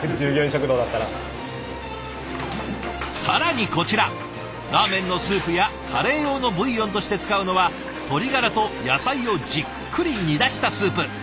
更にこちらラーメンのスープやカレー用のブイヨンとして使うのは鶏ガラと野菜をじっくり煮出したスープ。